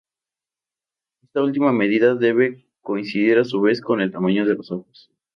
Esta última medida debe coincidir a su vez con el tamaño de los ojos.